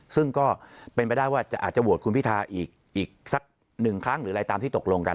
ซึ่งก็เป็นไปได้ว่าอาจจะโหวตคุณพิทาอีกสักหนึ่งครั้งหรืออะไรตามที่ตกลงกัน